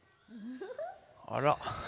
あら。